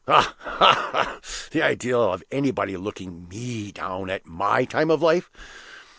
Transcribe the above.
Ha! ha! the idea of anybody looking me down, at my time of life.